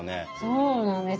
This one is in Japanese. そうなんです。